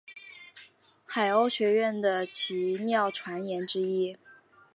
海鸥学园的奇妙传言之一。